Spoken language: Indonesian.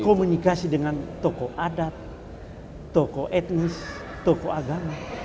komunikasi dengan tokoh adat tokoh etnis tokoh agama